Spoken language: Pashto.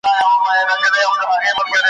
نیکه ویله چي کوی ښه کار ,